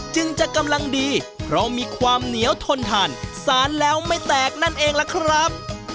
จึงจะกำลังดีเพราะมีความเหนียวทนทานสารแล้วไม่แตกนั่นเองล่ะครับ